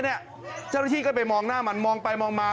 เจ้าหน้าที่ก็ไปมองหน้ามันมองไปมองมา